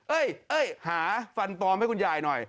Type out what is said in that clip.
เอ้ยหาฟันปลอมให้คุณยายหน่อย